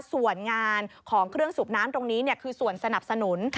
ส่วนงานของเครื่องสูบน้ำตรงนี้คือส่วนสนับสนุน